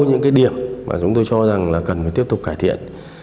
những cái điểm mà chúng tôi cho rằng là cần phải tiếp tục cải thiện